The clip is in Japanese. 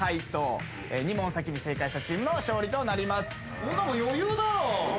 こんなもん余裕だろ。